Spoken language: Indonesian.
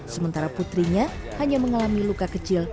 sementara putrinya hanya mengalami luka kecil